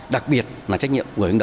đặc biệt là trách nhiệm người ứng đỏ